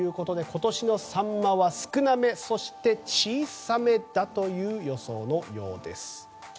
今年のサンマは少なめそして小さめだという予想のようです。